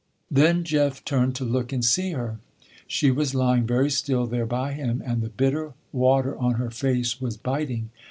Then Jeff turned to look and see her. She was lying very still there by him, and the bitter water on her face was biting.